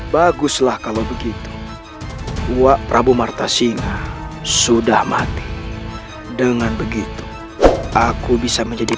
baguslah kalau begitu uap prabu marta singa sudah mati dengan begitu aku bisa menjadi